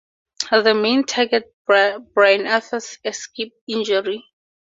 The main target, Brian Arthurs, escaped injury.